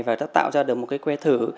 và đã tạo ra được một cái que thử